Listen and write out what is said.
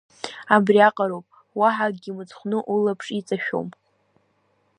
Абриаҟароуп, уаҳа акгьы мыцхәны улаԥш иҵашәом.